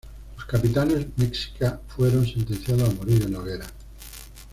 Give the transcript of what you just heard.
Los capitanes mexicas fueron sentenciados a morir en la hoguera.